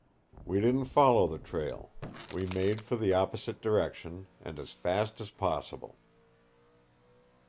"We didn't follow the trail. We made for the opposite direction and as fast as possible.